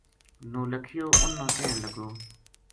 نولکھیو انھ نا کہن لگو